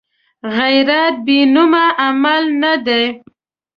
غیرت بېنومه عمل نه دی